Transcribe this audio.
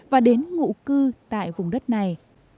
và đến ngụ cư tại vùng đất này